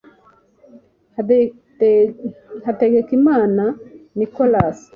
Hategekimana Nicolas